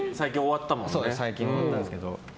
最近終わったんですけど。